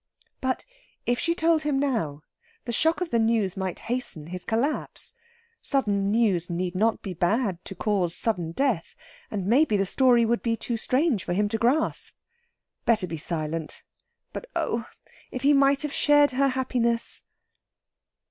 But if she told him now, the shock of the news might hasten his collapse. Sudden news need not be bad to cause sudden death. And, maybe the story would be too strange for him to grasp. Better be silent. But oh! if he might have shared her happiness!